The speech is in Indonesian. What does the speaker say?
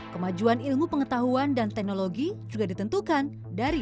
kemajuan ilmu pengetahuan dan teknologi juga ditentukan dari